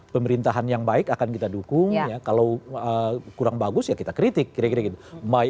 pemerintahan yang baik akan kita dukung kalau kurang bagus ya kita kritik kira kira gitu